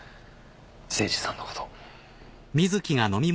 誠司さんのことを。